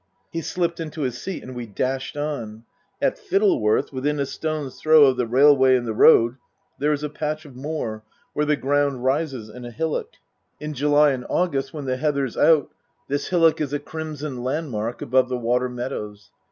He slipped into his seat and we dashed on. At Fittleworth, within a stone's throw of the railway and the road, there is a patch of moor where the ground Book II : Her Book 239 rises in a hillock. In July and August when the heather's out this hillock is a crimson landmark above the water meadows.